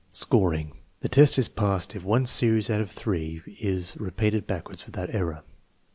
Scoring. The test is passed if one series out of three is repeated backwards without error.